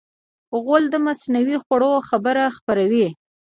غول د مصنوعي خوړو خبر خپروي.